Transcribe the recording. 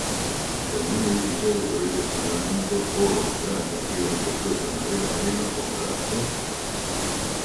Y si alguno edificare sobre este fundamento oro, plata, piedras preciosas, madera, heno, hojarasca;